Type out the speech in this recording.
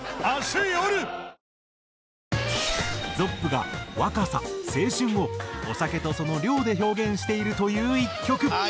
ｚｏｐｐが「若さ」「青春」をお酒とその量で表現しているという１曲。